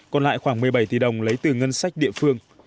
còn lại khoảng một mươi bảy tỷ đồng lấy từ ngân sách địa phương